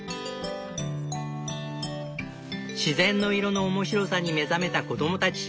自然の色の面白さに目覚めた子供たち。